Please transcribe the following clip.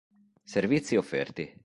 Servizi offerti